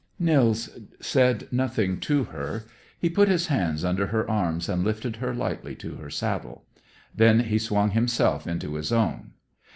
Nils said nothing to her. He put his hands under her arms and lifted her lightly to her saddle. Then he swung himself into his own.